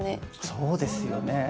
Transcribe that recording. そうですよね。